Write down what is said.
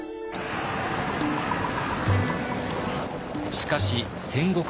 しかし戦国時代。